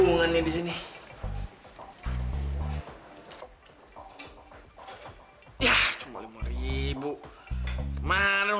nah ini baru